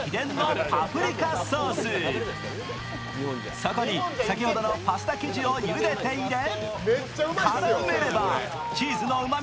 そこに先ほどのパスタ生地をゆでて入れ、絡めればチーズのうまみ